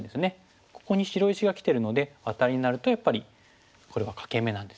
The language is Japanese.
ここに白石がきてるのでアタリになるとやっぱりこれは欠け眼なんですよね。